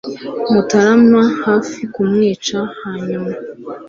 Mutarama hafi kumwica hanyuma